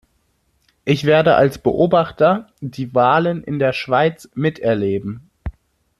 Ich werde als Beobachter die Wahlen in der Schweiz miterleben.